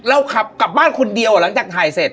ขับกลับบ้านคนเดียวหลังจากถ่ายเสร็จ